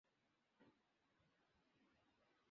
咸丰三年癸丑科进士。